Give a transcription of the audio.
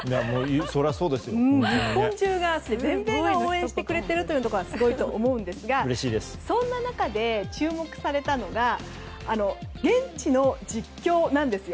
日本中がそして全米が応援していることがすごいと思いますがそんな中で注目されたのが現地の実況なんですよ。